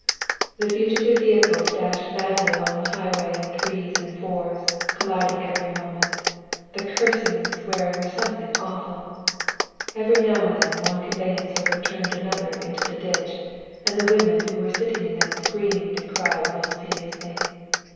The fugitive vehicles dashed madly along the highway in threes and fours, colliding every moment. The cursing and swearing were something awful. Every now and then one conveyance overturned another into the ditch, and the women who were sitting in them screamed and cried most piteously.